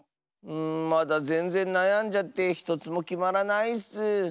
うんまだぜんぜんなやんじゃってひとつもきまらないッス。